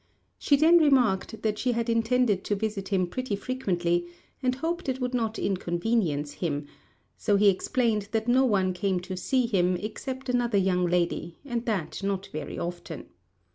She then remarked that she intended to visit him pretty frequently, and hoped it would not inconvenience him; so he explained that no one came to see him except another young lady, and that not very often.